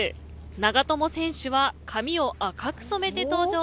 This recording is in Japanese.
長友選手は髪を赤く染めて登場。